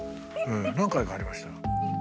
何回かありました。